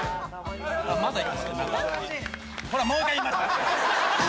ほらもう１回言いました。